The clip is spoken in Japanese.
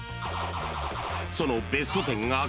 ［そのベスト１０がこちら］